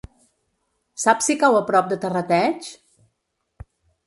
Saps si cau a prop de Terrateig?